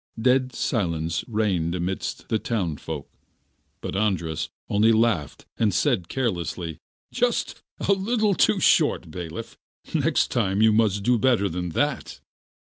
Dead silence reigned amidst the townsfolk, but Andras only laughed and said carelessly: 'Just a little too short, bailiff; next time you must do better than that.